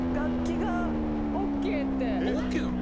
ＯＫなの⁉